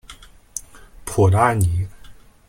普拉尼。